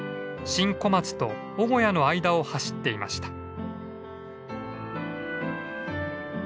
新小松と尾小屋の間を走っていました。